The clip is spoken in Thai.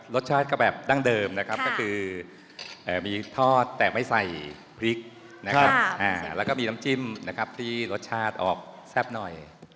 รสชาติก็แบบดั้งเดิมนะครับก็คือมีทอดแต่ไม่ใส่พริกนะครับแล้วก็มีน้ำจิ้มนะครับที่รสชาติออกแซ่บหน่อย